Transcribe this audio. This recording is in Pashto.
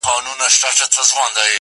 ښه په کټ کټ مي تدبير را سره خاندي-